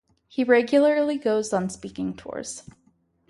He regularly goes on speaking tours.